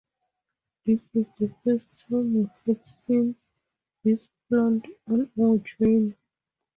This was the first time we had seen this plant on our journey.